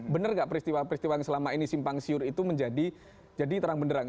benar nggak peristiwa peristiwa yang selama ini simpang siur itu menjadi terang benderang